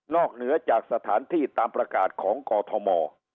เหนือจากสถานที่ตามประกาศของกอทม